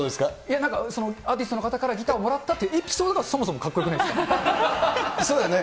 なんかアーティストの方から、ギターをもらったっていうエピソードがそもそもかっこよくないでそうだね。